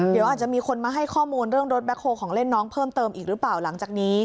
เดี๋ยวอาจจะมีคนมาให้ข้อมูลเรื่องรถแคลของเล่นน้องเพิ่มเติมอีกหรือเปล่าหลังจากนี้